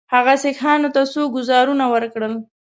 هغه سیکهانو ته څو ګوزارونه ورکړل.